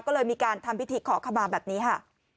ก็เลยมีการทำพิธีขอขมาแบบนี้ค่ะ